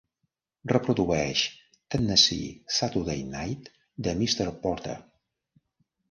Reprodueix Tennessee Saturday Night de Mr. Porter